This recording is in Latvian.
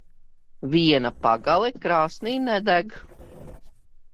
Viena pagale krāsnī nedeg.